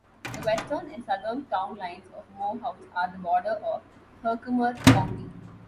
The western and southern town lines of Morehouse are the border of Herkimer County.